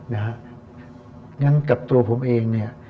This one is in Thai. งั้นกับตัวผมเอง